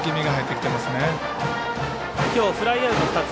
きょう、フライアウト２つ。